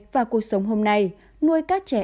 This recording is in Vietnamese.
và cuộc sống hôm nay nuôi các trẻ